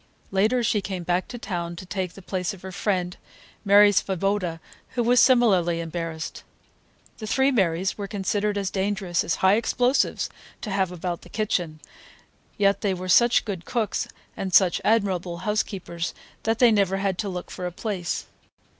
Later she came back to town to take the place of her friend, Mary Svoboda, who was similarly embarrassed. The three Marys were considered as dangerous as high explosives to have about the kitchen, yet they were such good cooks and such admirable housekeepers that they never had to look for a place.